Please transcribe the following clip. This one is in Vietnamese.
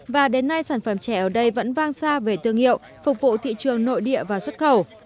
và đến nay sản phẩm chè ở đây vẫn vang xa về tương hiệu phục vụ thị trường nội địa và xuất khẩu